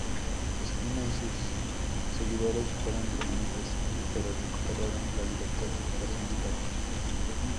Espina y sus seguidores fueron detenidos, pero recuperaron la libertad horas más tarde.